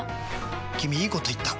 君いいこと言った！